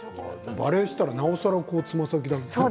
バレエしたらなおさらつま先立って。